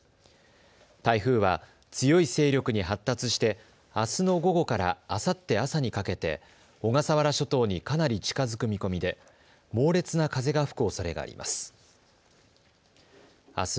台風は強い勢力に発達してあすの午後からあさって朝にかけて小笠原諸島にかなり近づく見込みで猛烈な風が吹くおそれがあります。